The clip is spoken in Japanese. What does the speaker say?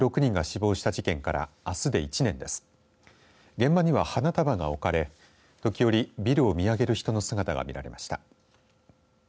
現場には花束が置かれ時折、ビルを見上げる人の姿が見られました。